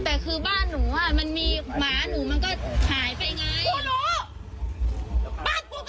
แต่คือบ้านหนูว่ามันมีหมาหนูมันก็หายไปไง